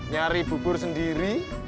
nyari bubur sendiri